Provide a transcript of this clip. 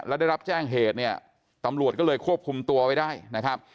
แล้วได้รับแจ้งเหตุเนี่ยตำรวจก็เลยควบคุมตัวไว้ได้นะครับ